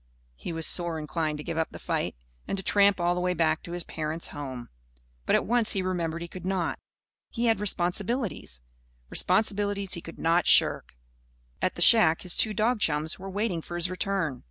He was sore inclined to give up the fight and to tramp all the way back to his parents' home. But at once he remembered he could not. He had responsibilities, responsibilities he could not shirk. At the shack his two dog chums were waiting for his return.